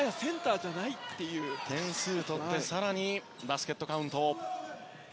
点数を取って更にバスケットカウント。